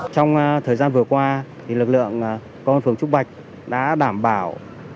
trong thời gian vừa qua lực lượng công an phường trúc bạch đã đảm bảo